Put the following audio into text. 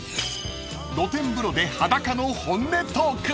［露天風呂で裸の本音トーク］